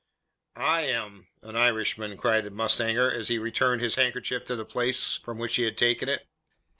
"I am an Irishman," said the mustanger, as he returned his handkerchief to the place from which he had taken it.